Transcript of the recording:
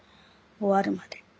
終わるまで。